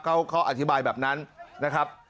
เขาอธิบายแบบนั้นนะครับ